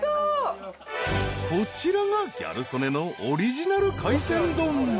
［こちらがギャル曽根のオリジナル海鮮丼］